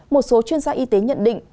một số chuyên gia y tế nhận định